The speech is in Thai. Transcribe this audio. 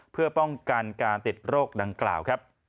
เพื่อป้องกันการติดโรคดังกล่าวครับ